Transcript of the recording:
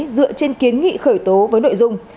dựa trên kiến nghị khởi tố với nội dung